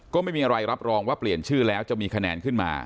ก็ไม่มีอะไรรับรองว่าเปลี่ยนชื่อแล้วจะมีคะแนนขึ้นมา